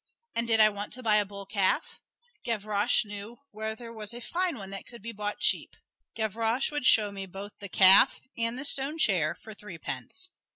And did I want to buy a bull calf? Gavroche knew where there was a fine one that could be bought cheap. Gavroche would show me both the calf and the stone chair for threepence.